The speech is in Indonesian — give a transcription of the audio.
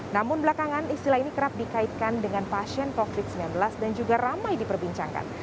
namun belakangan istilah ini kerap dikaitkan dengan pasien covid sembilan belas dan juga ramai diperbincangkan